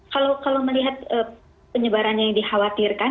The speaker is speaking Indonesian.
kalau melihat penyebaran yang dikhawatirkan